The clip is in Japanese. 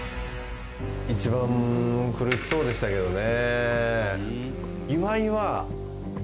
一番苦しそうでしたけどね。